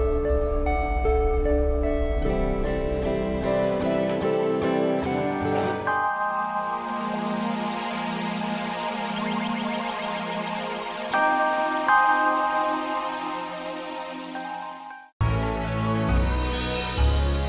sampai jumpa lagi